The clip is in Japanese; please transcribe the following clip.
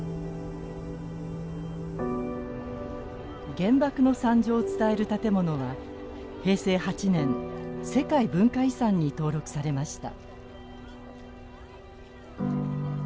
原爆の惨状を伝える建物は平成８年世界文化遺産に登録されました。